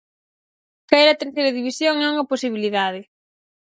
Caer a Terceira División é unha posibilidade.